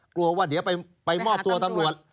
กลัวว่าเดี๋ยวไปมอบตัวตำรวจ